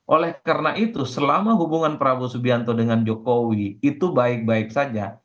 oleh karena itu selama hubungan prabowo subianto dengan jokowi itu baik baik saja